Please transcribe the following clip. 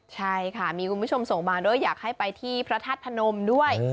ใช่ค่ะมีคุณผู้ชมส่งมาด้วยอยากให้ไปที่พระธาตุพนมด้วย